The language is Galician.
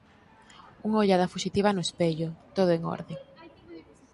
Unha ollada fuxitiva no espello, todo en orde.